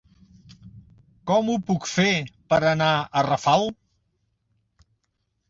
Com ho puc fer per anar a Rafal?